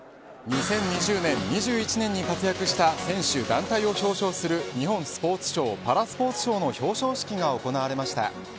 ２０２０年、２１年に活躍した選手団体を表彰する日本スポーツ賞パラスポーツ賞の表彰式が行われました。